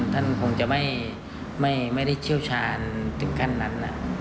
ท่านคงจะไม่ได้เชี่ยวชาญถึงขั้นนั้น